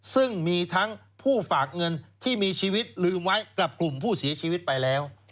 ซึ่งมีทั้งผู้ฝากเงินที่มีชีวิตลืมไว้กับกลุ่มผู้เสียชีวิตไปแล้ว